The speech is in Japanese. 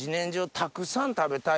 たくさん食べたい。